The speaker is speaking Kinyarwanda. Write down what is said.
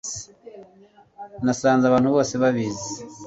nasanze abantu bose babizi